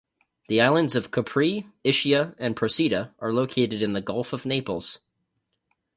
The islands of Capri, Ischia and Procida are located in the Gulf of Naples.